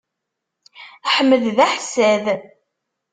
Ḥmed d aḥessad.